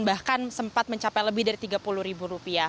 bahkan sempat mencapai lebih dari rp tiga puluh